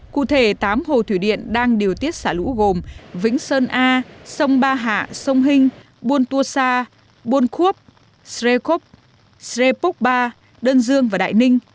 cụ thể tám hồ thủy điện đang điều tiết xả lũ gồm vĩnh sơn a sông ba hạ sông hinh buôn tua sa buôn khuốc sre kup sre púc ba đơn dương và đại ninh